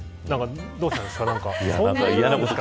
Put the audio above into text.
どうしたんですか。